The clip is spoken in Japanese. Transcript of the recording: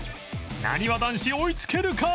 なにわ男子追いつけるか？